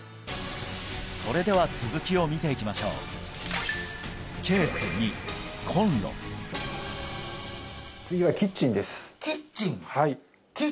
それでは続きを見ていきましょうキッチン？